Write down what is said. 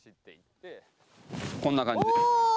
こんな感じ。